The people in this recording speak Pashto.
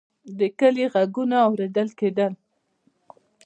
د کلي غږونه اورېدل کېدل.